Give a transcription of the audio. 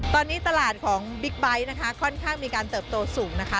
ตอนนี้ตลาดของบิ๊กไบท์นะคะค่อนข้างมีการเติบโตสูงนะคะ